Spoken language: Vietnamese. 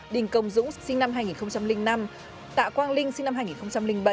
đình công dũng sinh năm hai nghìn năm tạ quang linh sinh năm hai nghìn bảy